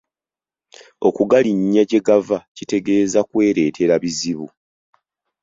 Okugalinnya gye gava kitegeeza kwereetera bizibu.